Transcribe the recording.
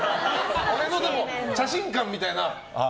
でも、写真館みたいな。